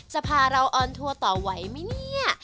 จะพาเราออนทัวร์ต่อไหวไหมเนี่ย